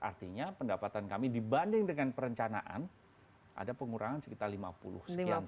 artinya pendapatan kami dibanding dengan perencanaan ada pengurangan sekitar lima puluh sekian